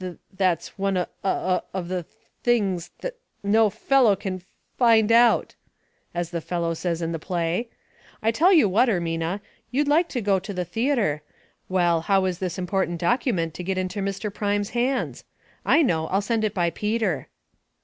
* T t that's o one of the t t things t that no f f fel low can f f find out,' as the fellow says in the play. I tell you what, Ermina, you'd like to go to the theatre. Well, how is this important doc ument to get into Mr. Prime's hands ? I know; I'll send it by Peter."